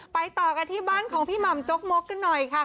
ต่อกันที่บ้านของพี่หม่ำจกมกกันหน่อยค่ะ